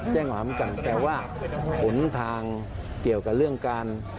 แจ้งความเหมือนกันแต่ว่าผลทางเกี่ยวกับเรื่องการ